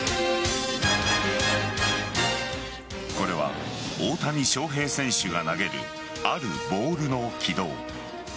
これは大谷翔平選手が投げるあるボールの軌道。